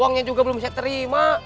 uangnya juga belum bisa terima